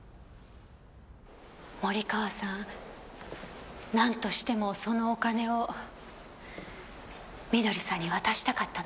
森川さんなんとしてもそのお金を慧さんに渡したかったのね。